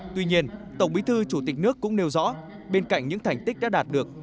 tuy nhiên tổng bí thư chủ tịch nước cũng nêu rõ bên cạnh những thành tích đã đạt được